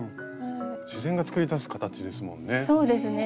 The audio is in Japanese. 自然が作り出す形ですもんね。